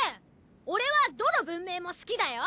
俺はどの文明も好きだよ！